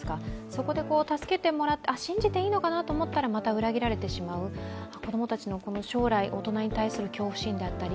そこで助けてもらって、信じていいのかなと思ったらまた裏切られてしまう子供たちの将来、大人に対する恐怖心であったり